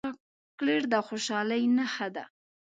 چاکلېټ د خوشحالۍ نښه ده.